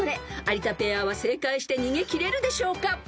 ［有田ペアは正解して逃げきれるでしょうか］